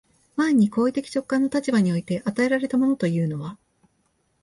前に行為的直観の立場において与えられたものというのは、